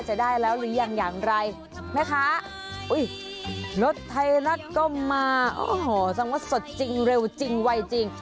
จะได้แล้วหรือยังอย่างไรแม่ค้าอุ้ยรถไทยรัฐก็มาโอ้โหแสดงว่าสดจริงเร็วจริงไวจริง